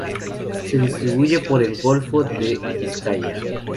Se distribuye por el golfo de Vizcaya.